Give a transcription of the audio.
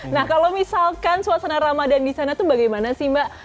nah kalau misalkan suasana ramadan di sana itu bagaimana sih mbak